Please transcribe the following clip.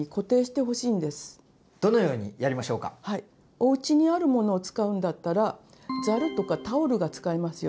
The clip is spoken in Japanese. おうちにあるものを使うんだったらざるとかタオルが使えますよ。